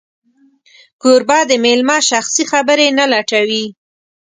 کوربه د مېلمه شخصي خبرې نه لټوي.